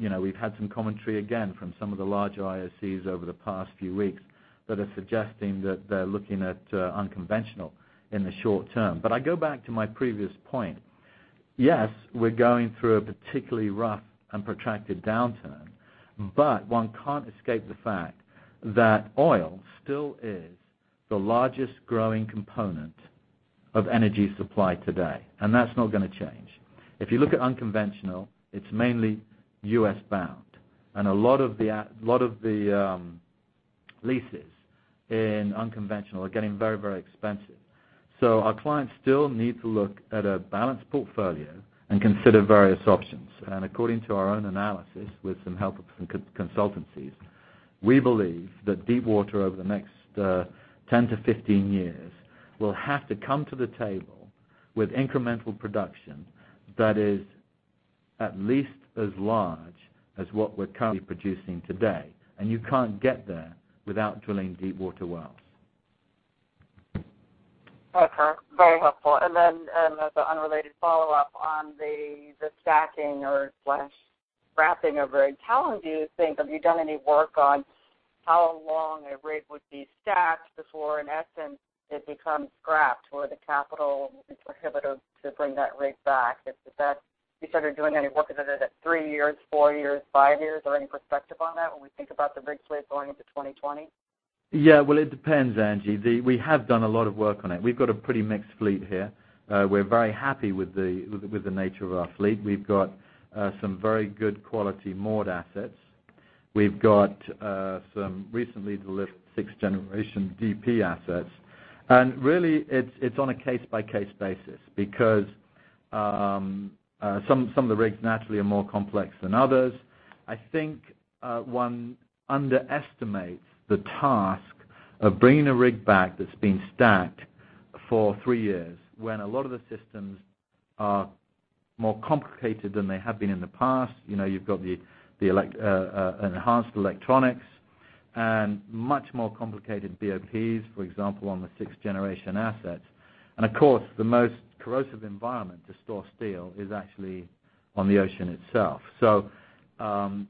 Speaker 3: we've had some commentary again from some of the larger IOCs over the past few weeks that are suggesting that they're looking at unconventional in the short term. I go back to my previous point. Yes, we're going through a particularly rough and protracted downturn, one can't escape the fact that oil still is the largest growing component of energy supply today, and that's not going to change. If you look at unconventional, it's mainly U.S. bound, and a lot of the leases in unconventional are getting very expensive. Our clients still need to look at a balanced portfolio and consider various options. According to our own analysis, with some help from consultancies, we believe that deepwater over the next 10-15 years will have to come to the table with incremental production that is at least as large as what we're currently producing today. You can't get there without drilling deepwater wells.
Speaker 10: Okay. Very helpful. As an unrelated follow-up on the stacking or slash scrapping of rig. How long do you think, have you done any work on how long a rig would be stacked before, in essence, it becomes scrapped, where the capital is prohibitive to bring that rig back? Have you started doing any work? Is that at three years, four years, five years? Or any perspective on that when we think about the rig fleet going into 2020?
Speaker 3: Yeah. Well, it depends, Angie. We have done a lot of work on it. We've got a pretty mixed fleet here. We're very happy with the nature of our fleet. We've got some very good quality moored assets. We've got some recently delivered 6th Generation DP assets. Really, it's on a case-by-case basis, because some of the rigs naturally are more complex than others. I think one underestimates the task of bringing a rig back that's been stacked for three years, when a lot of the systems are more complicated than they have been in the past. You've got the enhanced electronics and much more complicated BOPs, for example, on the 6th Generation assets. Of course, the most corrosive environment to store steel is actually on the ocean itself. Let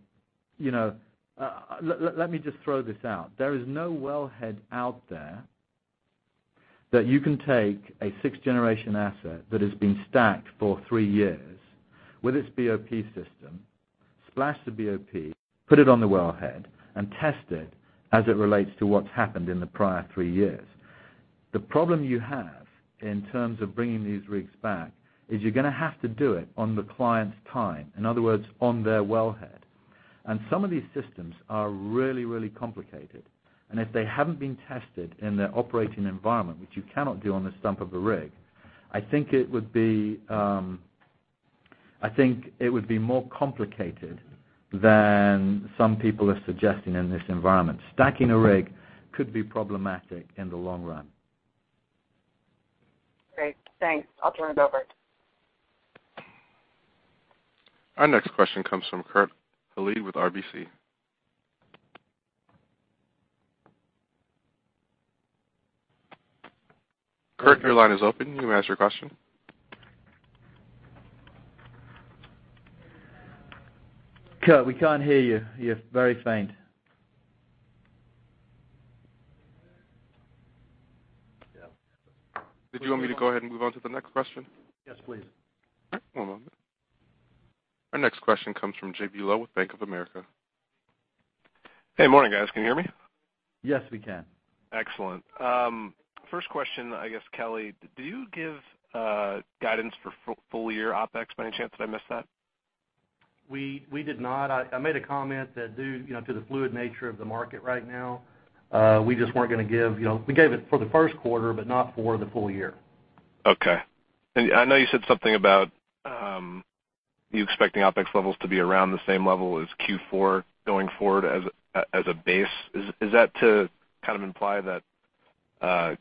Speaker 3: me just throw this out. There is no wellhead out there that you can take a 6th Generation asset that has been stacked for three years with its BOP system, splash the BOP, put it on the wellhead, and test it as it relates to what's happened in the prior three years. The problem you have in terms of bringing these rigs back is you're going to have to do it on the client's time, in other words, on their wellhead. Some of these systems are really, really complicated, and if they haven't been tested in their operating environment, which you cannot do on the stump of a rig, I think it would be more complicated than some people are suggesting in this environment. Stacking a rig could be problematic in the long run.
Speaker 10: Great. Thanks. I'll turn it over.
Speaker 1: Our next question comes from Kurt Hallead with RBC. Kurt, your line is open. You may ask your question.
Speaker 3: Kurt, we can't hear you. You're very faint.
Speaker 1: Did you want me to go ahead and move on to the next question?
Speaker 3: Yes, please.
Speaker 1: All right, one moment. Our next question comes from J.B. Lowe with Bank of America.
Speaker 11: Hey, morning guys. Can you hear me?
Speaker 3: Yes, we can.
Speaker 11: Excellent. First question, I guess, Kelly, do you give guidance for full year OpEx by any chance that I missed that?
Speaker 4: We did not. I made a comment that due to the fluid nature of the market right now, we gave it for the first quarter, but not for the full year.
Speaker 11: Okay. I know you said something about you expecting OpEx levels to be around the same level as Q4 going forward as a base. Is that to kind of imply that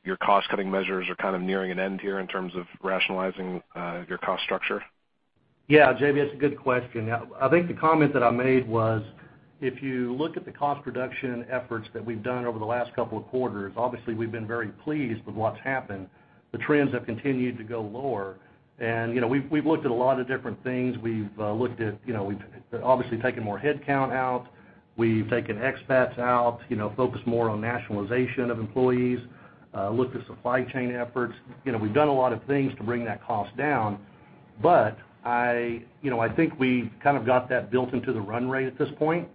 Speaker 11: your cost-cutting measures are kind of nearing an end here in terms of rationalizing your cost structure?
Speaker 4: Yeah, J.B., that's a good question. I think the comment that I made was, if you look at the cost reduction efforts that we've done over the last couple of quarters, obviously we've been very pleased with what's happened. The trends have continued to go lower. We've looked at a lot of different things. We've obviously taken more headcount out. We've taken expats out, focused more on nationalization of employees, looked at supply chain efforts. We've done a lot of things to bring that cost down, but I think we kind of got that built into the run rate at this point.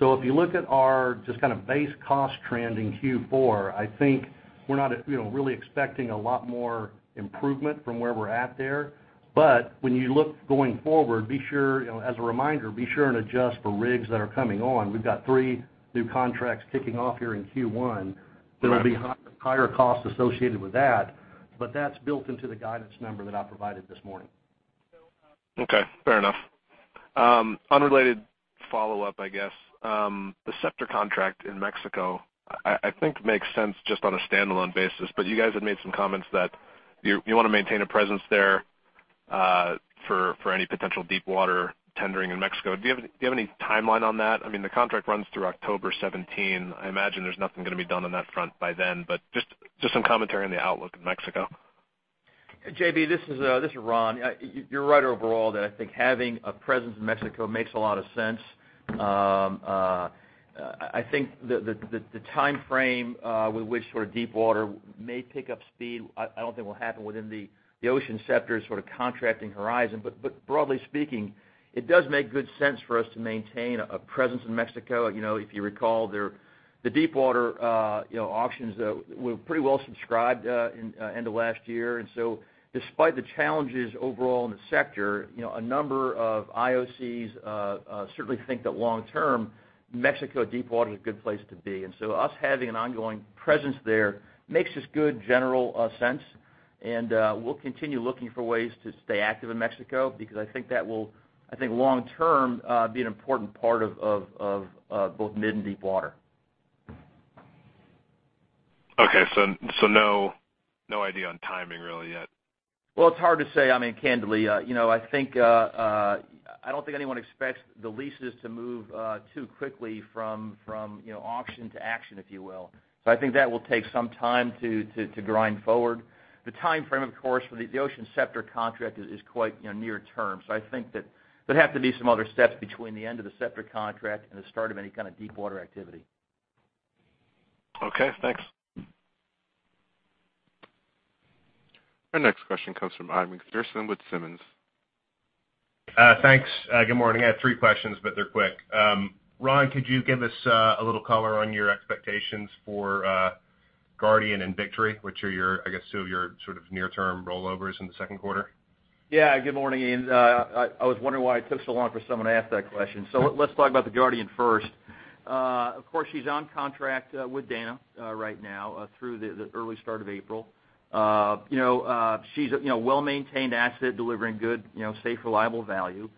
Speaker 4: If you look at our just kind of base cost trend in Q4, I think we're not really expecting a lot more improvement from where we're at there. When you look going forward, as a reminder, be sure and adjust for rigs that are coming on. We've got three new contracts kicking off here in Q1 that will be higher cost associated with that, but that's built into the guidance number that I provided this morning.
Speaker 11: Okay, fair enough. Unrelated follow-up, I guess. The Scepter contract in Mexico I think makes sense just on a standalone basis, but you guys had made some comments that you want to maintain a presence there for any potential deepwater tendering in Mexico. Do you have any timeline on that? The contract runs through October 17. I imagine there's nothing going to be done on that front by then, but just some commentary on the outlook of Mexico.
Speaker 6: J.B., this is Ron. You're right overall that I think having a presence in Mexico makes a lot of sense. I think the timeframe with which sort of deepwater may pick up speed, I don't think will happen within the Ocean Scepter's sort of contracting horizon. Broadly speaking, it does make good sense for us to maintain a presence in Mexico. If you recall, the deepwater auctions were pretty well subscribed end of last year. Despite the challenges overall in the sector, a number of IOCs certainly think that long-term, Mexico deepwater is a good place to be. Us having an ongoing presence there makes this good general sense, and we'll continue looking for ways to stay active in Mexico because I think that will, I think long term, be an important part of both mid- and deepwater.
Speaker 11: Okay. No idea on timing?
Speaker 4: Well, it's hard to say. Candidly, I don't think anyone expects the leases to move too quickly from auction to action, if you will. I think that will take some time to grind forward. The timeframe, of course, for the Ocean Scepter contract is quite near term. I think that there'd have to be some other steps between the end of the Scepter contract and the start of any kind of deepwater activity.
Speaker 11: Okay, thanks.
Speaker 1: Our next question comes from Adam McPherson with Simmons.
Speaker 12: Thanks. Good morning. I have three questions, but they're quick. Ron, could you give us a little color on your expectations for Guardian and Victory, which are, I guess, two of your sort of near-term rollovers in the second quarter?
Speaker 6: Yeah. Good morning. I was wondering why it took so long for someone to ask that question. Let's talk about the Guardian first. Of course, she's on contract with Dana right now, through the early start of April. She's a well-maintained asset delivering good, safe, reliable value.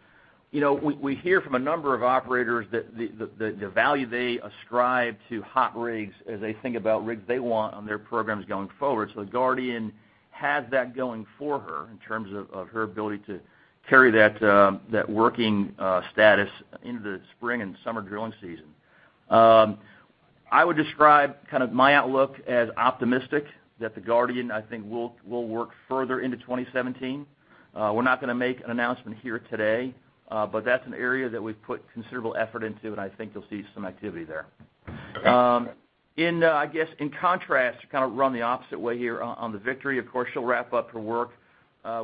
Speaker 6: We hear from a number of operators that the value they ascribe to hot rigs as they think about rigs they want on their programs going forward. The Guardian has that going for her in terms of her ability to carry that working status into the spring and summer drilling season. I would describe my outlook as optimistic that the Guardian, I think, will work further into 2017. We're not going to make an announcement here today, but that's an area that we've put considerable effort into, and I think you'll see some activity there.
Speaker 12: Okay.
Speaker 6: I guess, in contrast, to kind of run the opposite way here on the Victory, of course, she'll wrap up her work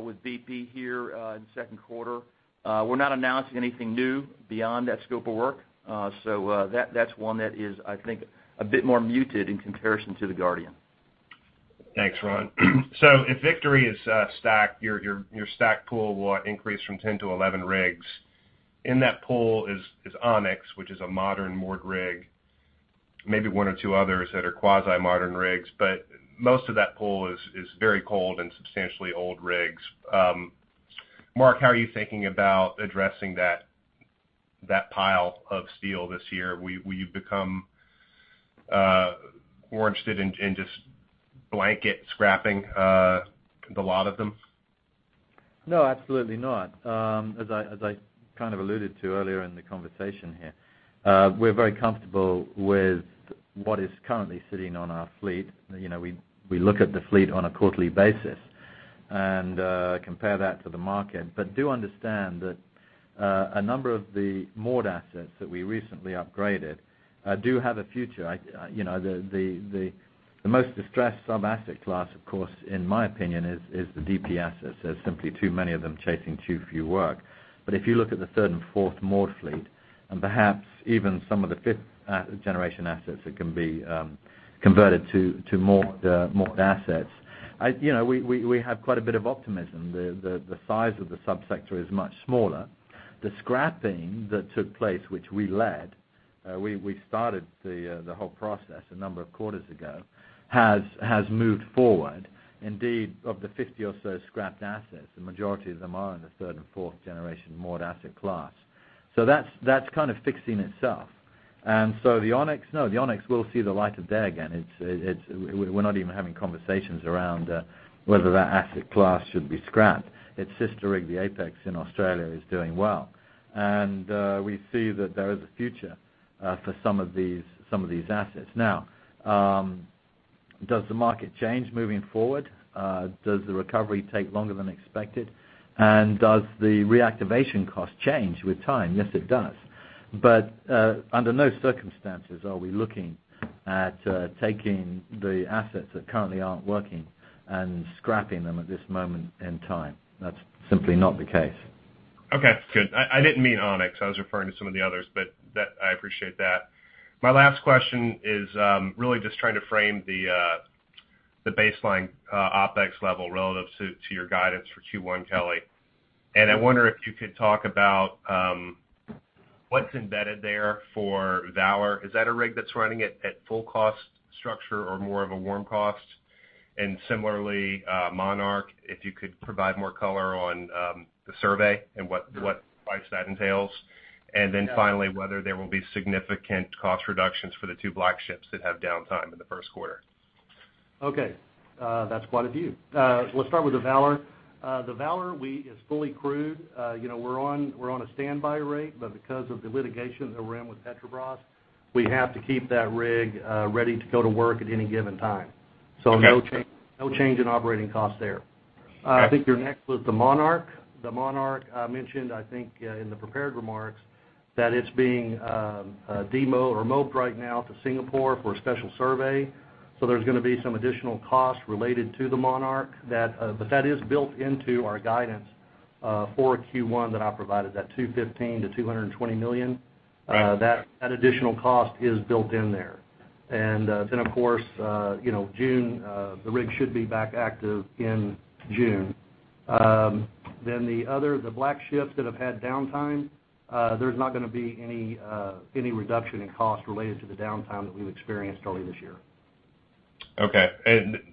Speaker 6: with BP here in the second quarter. We're not announcing anything new beyond that scope of work. That's one that is, I think, a bit more muted in comparison to the Guardian.
Speaker 12: Thanks, Ron. If Victory is stacked, your stack pool will increase from 10 to 11 rigs. In that pool is Onyx, which is a modern moored rig, maybe one or two others that are quasi-modern rigs, but most of that pool is very cold and substantially old rigs. Marc, how are you thinking about addressing that pile of steel this year? Will you become more interested in just blanket scrapping the lot of them?
Speaker 3: No, absolutely not. As I kind of alluded to earlier in the conversation here, we're very comfortable with what is currently sitting on our fleet. We look at the fleet on a quarterly basis and compare that to the market. Do understand that a number of the moored assets that we recently upgraded do have a future. The most distressed sub-asset class, of course, in my opinion, is the DP assets. There's simply too many of them chasing too few work. If you look at the third and fourth moored fleet, and perhaps even some of the 5th-Generation assets that can be converted to moored assets, we have quite a bit of optimism. The size of the subsector is much smaller. The scrapping that took place, which we led, we started the whole process a number of quarters ago, has moved forward. Indeed, of the 50 or so scrapped assets, the majority of them are in the third and fourth generation moored asset class. That's kind of fixing itself. The Onyx? No, the Onyx will see the light of day again. We're not even having conversations around whether that asset class should be scrapped. Its sister rig, the Apex in Australia, is doing well. We see that there is a future for some of these assets. Now, does the market change moving forward? Does the recovery take longer than expected? Does the reactivation cost change with time? Yes, it does. Under no circumstances are we looking at taking the assets that currently aren't working and scrapping them at this moment in time. That's simply not the case.
Speaker 12: Okay, good. I didn't mean Onyx. I was referring to some of the others, but I appreciate that. My last question is really just trying to frame the baseline OpEx level relative to your guidance for Q1, Kelly. I wonder if you could talk about what's embedded there for Valor. Is that a rig that's running at full cost structure or more of a warm cost? Similarly, Monarch, if you could provide more color on the survey and what price that entails. Finally, whether there will be significant cost reductions for the two BlackShips that have downtime in the first quarter.
Speaker 4: Okay. That's quite a few. Let's start with the Valor. The Valor is fully crewed. We're on a standby rate. Because of the litigation that we're in with Petrobras, we have to keep that rig ready to go to work at any given time.
Speaker 12: Okay. No change in operating cost there. Okay.
Speaker 4: I think your next was the Monarch. The Monarch, I mentioned, I think, in the prepared remarks, that it's being demobed or mobed right now to Singapore for a special survey. There's going to be some additional costs related to the Monarch. That is built into our guidance for Q1 that I provided, that $215 million-$220 million.
Speaker 12: Right.
Speaker 4: That additional cost is built in there. Of course, the rig should be back active in June. The other, the BlackShips that have had downtime, there's not going to be any reduction in cost related to the downtime that we've experienced early this year.
Speaker 12: Okay.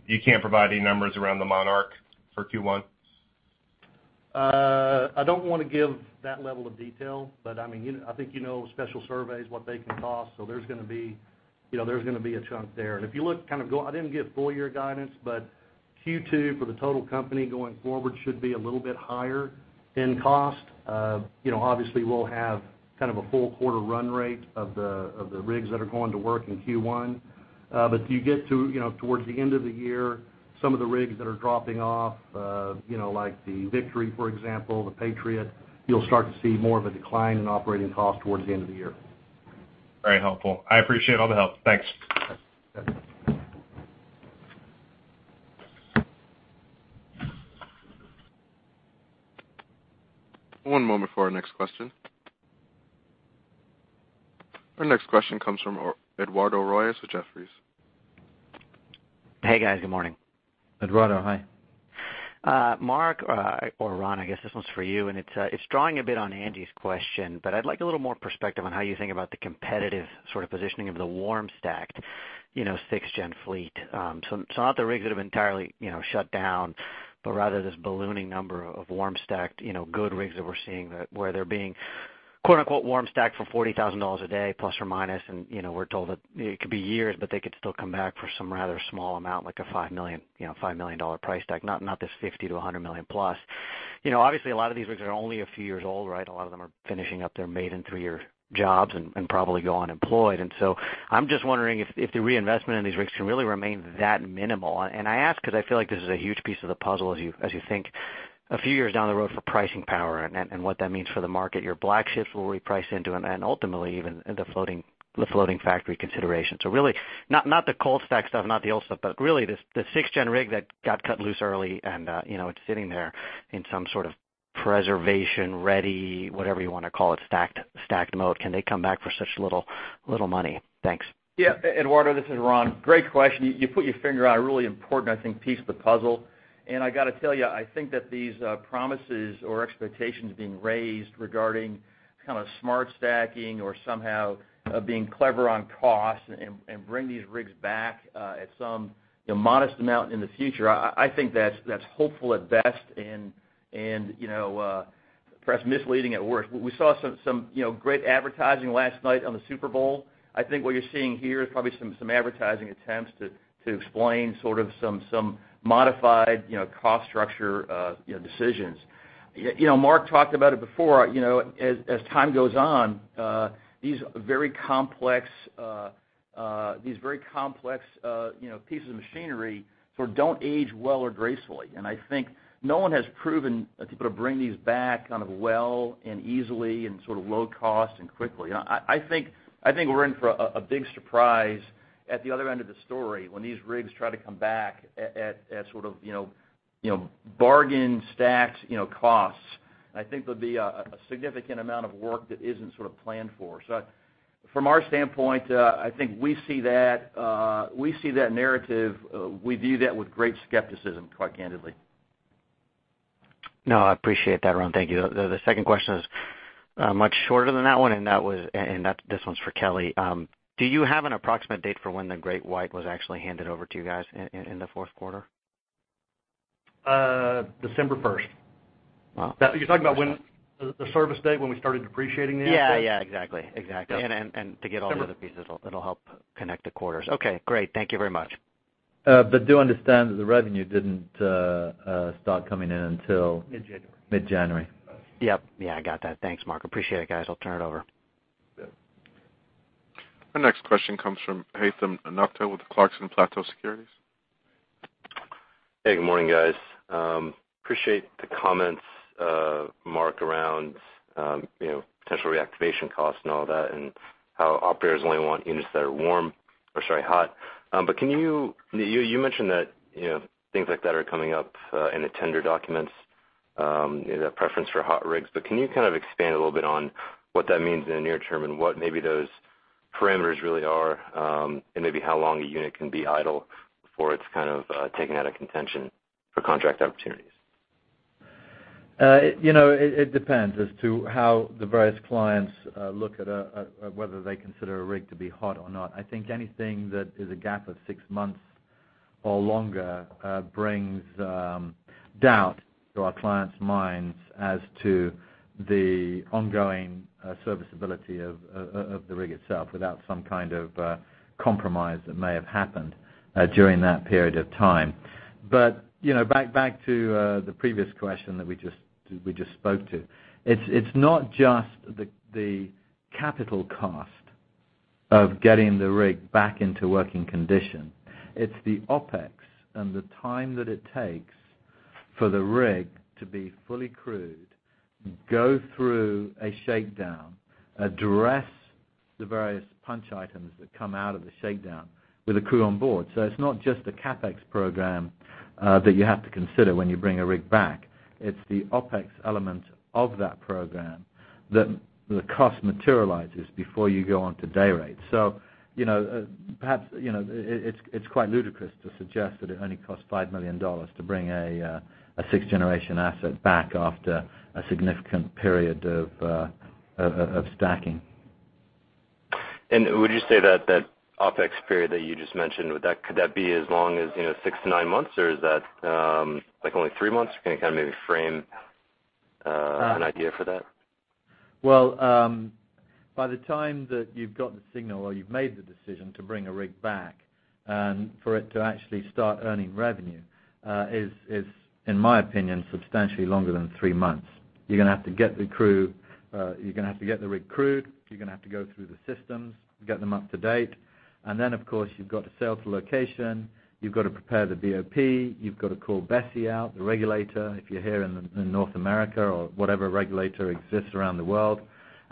Speaker 12: You can't provide any numbers around the Monarch for Q1?
Speaker 4: I don't want to give that level of detail. I think you know special surveys, what they can cost. There's going to be a chunk there. I didn't give full year guidance. Q2 for the total company going forward should be a little bit higher in cost. Obviously, we'll have kind of a full quarter run rate of the rigs that are going to work in Q1. You get towards the end of the year, some of the rigs that are dropping off, like the Victory, for example, the Patriot, you'll start to see more of a decline in operating cost towards the end of the year.
Speaker 12: Very helpful. I appreciate all the help. Thanks.
Speaker 1: One moment for our next question. Our next question comes from Eduardo Royes with Jefferies.
Speaker 13: Hey, guys. Good morning.
Speaker 4: Eduardo, hi.
Speaker 13: Mark, or Ron, I guess this one's for you. It's drawing a bit on Angie's question, but I'd like a little more perspective on how you think about the competitive positioning of the warm stacked 6Gen fleet. Not the rigs that have entirely shut down, but rather this ballooning number of warm stacked good rigs that we're seeing where they're being quote unquote warm stacked for $40,000 a day plus or minus. We're told that it could be years, but they could still come back for some rather small amount, like a $5 million price tag, not this $50 million-$100 million plus. Obviously, a lot of these rigs are only a few years old, right? A lot of them are finishing up their maiden three-year jobs and probably go unemployed. I'm just wondering if the reinvestment in these rigs can really remain that minimal. I ask because I feel like this is a huge piece of the puzzle as you think a few years down the road for pricing power and what that means for the market. Your BlackShips will reprice into them and ultimately even the Floating Factory consideration. Really, not the cold stack stuff, not the old stuff, but really the 6Gen rig that got cut loose early and it's sitting there in some sort of preservation-ready, whatever you want to call it, stacked mode. Can they come back for such little money? Thanks.
Speaker 6: Yeah. Eduardo, this is Ron. Great question. You put your finger on a really important, I think, piece of the puzzle. I got to tell you, I think that these promises or expectations being raised regarding kind of smart stacking or somehow being clever on cost and bring these rigs back at some modest amount in the future, I think that's hopeful at best and perhaps misleading at worst. We saw some great advertising last night on the Super Bowl. I think what you're seeing here is probably some advertising attempts to explain sort of some modified cost structure decisions. Mark talked about it before. As time goes on, these very complex pieces of machinery sort of don't age well or gracefully. I think no one has proven to bring these back kind of well and easily and sort of low cost and quickly. I think we're in for a big surprise at the other end of the story when these rigs try to come back at sort of bargain stacked costs. I think there'll be a significant amount of work that isn't sort of planned for. From our standpoint, I think we see that narrative, we view that with great skepticism, quite candidly.
Speaker 13: No, I appreciate that, Ron. Thank you. The second question is much shorter than that one, this one's for Kelly. Do you have an approximate date for when the Ocean GreatWhite was actually handed over to you guys in the fourth quarter?
Speaker 4: December 1st.
Speaker 13: Wow.
Speaker 4: You're talking about the service date when we started depreciating the asset?
Speaker 13: Yeah. Exactly.
Speaker 4: Yep. December.
Speaker 13: To get all the other pieces that'll help connect the quarters. Okay, great. Thank you very much.
Speaker 4: Do understand that the revenue didn't start coming in until.
Speaker 3: Mid-January
Speaker 4: mid-January.
Speaker 13: Yep. Yeah, I got that. Thanks, Marc. Appreciate it, guys. I'll turn it over.
Speaker 1: Our next question comes from Haitham Ennafta with Clarksons Platou Securities.
Speaker 14: Hey. Good morning, guys. Appreciate the comments, Marc, around potential reactivation costs and all that and how operators only want units that are warm, or sorry, hot. You mentioned that things like that are coming up in the tender documents, the preference for hot rigs. Can you kind of expand a little bit on what that means in the near term and what maybe those parameters really are, and maybe how long a unit can be idle before it's kind of taken out of contention for contract opportunities?
Speaker 3: It depends as to how the various clients look at whether they consider a rig to be hot or not. I think anything that is a gap of six months or longer brings doubt to our clients' minds as to the ongoing serviceability of the rig itself without some kind of compromise that may have happened during that period of time. Back to the previous question that we just spoke to. It's not just the capital cost of getting the rig back into working condition. It's the OpEx and the time that it takes for the rig to be fully crewed, go through a shakedown, address the various punch items that come out of the shakedown with a crew on board. It's not just a CapEx program that you have to consider when you bring a rig back. It's the OpEx element of that program that the cost materializes before you go on to day rate. Perhaps it's quite ludicrous to suggest that it only costs $5 million to bring a 6th Generation asset back after a significant period of stacking.
Speaker 14: Would you say that that OpEx period that you just mentioned, could that be as long as 6-9 months, or is that like only three months? Can you kind of maybe frame an idea for that?
Speaker 3: Well, by the time that you've got the signal or you've made the decision to bring a rig back and for it to actually start earning revenue is, in my opinion, substantially longer than three months. You're gonna have to get the rig crewed. You're gonna have to go through the systems, get them up to date. Of course, you've got to sail to location. You've got to prepare the BOP. You've got to call BSEE out, the regulator, if you're here in North America or whatever regulator exists around the world.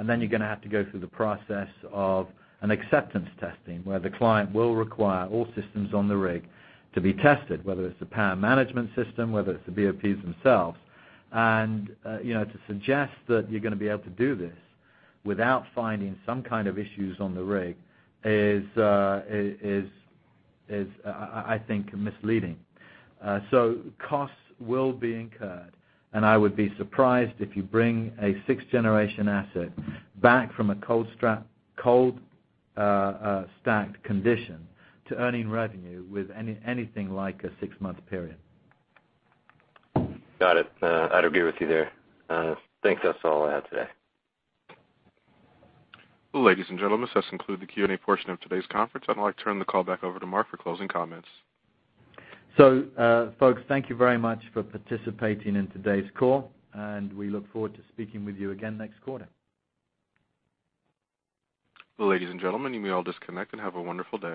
Speaker 3: You're gonna have to go through the process of an acceptance testing where the client will require all systems on the rig to be tested, whether it's the power management system, whether it's the BOPs themselves. To suggest that you're gonna be able to do this without finding some kind of issues on the rig is, I think, misleading. Costs will be incurred, and I would be surprised if you bring a 6th Generation asset back from a cold stacked condition to earning revenue with anything like a six-month period.
Speaker 14: Got it. I'd agree with you there. Thanks. That's all I have today.
Speaker 1: Ladies and gentlemen, this does conclude the Q&A portion of today's conference. I'd like to turn the call back over to Marc for closing comments.
Speaker 3: Folks, thank you very much for participating in today's call, and we look forward to speaking with you again next quarter.
Speaker 1: Ladies and gentlemen, you may all disconnect and have a wonderful day.